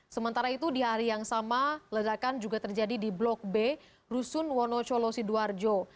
sementara itu di hari yang sama ledakan juga terjadi di blok b rusun wonocolo sidoarjo